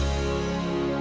sampai jumpa lagi